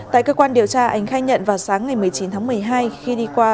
tại cơ quan điều tra ánh khai nhận vào sáng ngày một mươi chín tháng một mươi hai khi đi qua